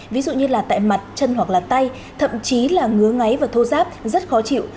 ví dụ như tại mặt chân hoặc tay thậm chí là ngứa ngáy và thô giáp rất khó chịu